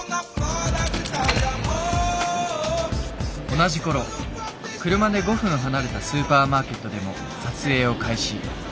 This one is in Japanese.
同じころ車で５分離れたスーパーマーケットでも撮影を開始。